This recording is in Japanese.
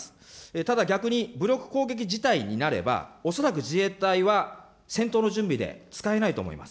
ただ、逆に武力攻撃事態になれば、恐らく自衛隊は戦闘の準備で使えないと思います。